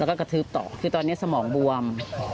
แล้วก็กระทืบต่อคือตอนนี้สมองบวม